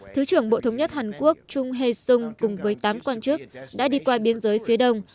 thứ trưởng bộ thống nhất hàn quốc trung hae sung cùng với tám quan chức đã đi qua biên giới phía đông